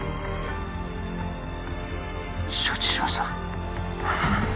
承知しました